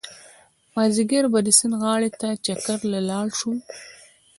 مازيګر به د سيند غاړې ته چکر له لاړ شو